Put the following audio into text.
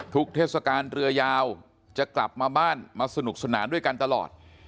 เทศกาลเรือยาวจะกลับมาบ้านมาสนุกสนานด้วยกันตลอด